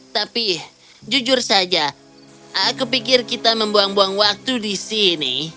tapi jujur saja aku pikir kita membuang buang waktu di sini